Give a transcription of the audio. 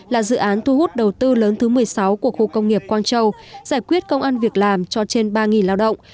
là dự án thu hút đầu tư lớn thứ một mươi sáu của khu công nghiệp quang châu giải quyết công ăn việc làm cho trên ba lao động